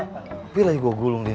hampir lagi gua gulung dia